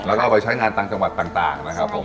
แล้วก็เอาไปใช้งานต่างจังหวัดต่างนะครับผม